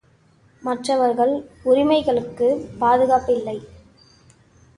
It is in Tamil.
மற்றவர்கள் உரிமைகளுக்குப் பாதுகாப்பு இல்லை!